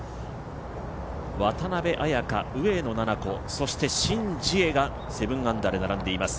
渡邉彩香、そしてシン・ジエが７アンダーで並んでいます。